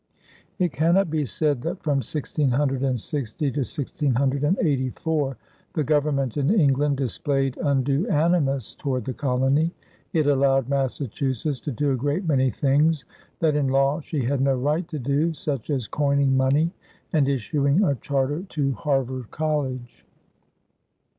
It cannot be said that, from 1660 to 1684, the Government in England displayed undue animus toward the colony. It allowed Massachusetts to do a great many things that in law she had no right to do, such as coining money and issuing a charter to Harvard College.